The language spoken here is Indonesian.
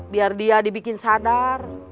biar dia dibikin sadar